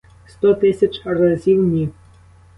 Сто тисяч разів ні.